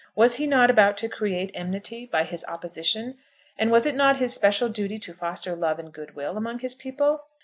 Was he not about to create enmity by his opposition; and was it not his special duty to foster love and goodwill among his people?